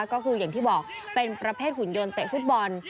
ก็คืออย่างที่บอกเป็นประเภทหุ่นยนต์เตะฟุตบอล